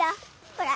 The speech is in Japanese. ほら。